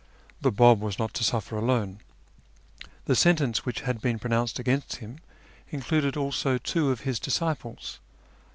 The Bab was not to suffer alone. The sentence which had been pronounced against him included also two of his disciples.